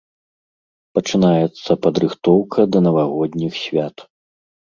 Пачынаецца падрыхтоўка да навагодніх свят.